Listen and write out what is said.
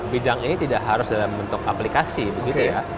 bidang ini tidak harus dalam bentuk aplikasi begitu ya